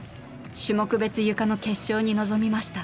種目別ゆかの決勝に臨みました。